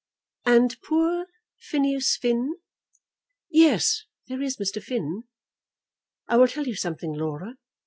"And poor Phineas Finn." "Yes; there is Mr. Finn. I will tell you something, Laura.